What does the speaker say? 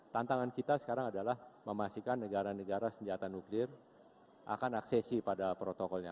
tantangan kita sekarang adalah memastikan negara negara senjata nuklir akan aksesi pada protokolnya